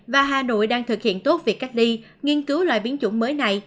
và hà nội đang thực hiện tốt việc cách ly nghiên cứu loại biến chủng mới này